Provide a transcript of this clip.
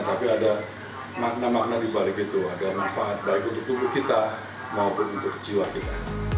tapi ada makna makna dibalik itu ada manfaat baik untuk tubuh kita maupun untuk jiwa kita